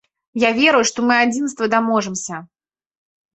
Я веру, што мы адзінства даможамся.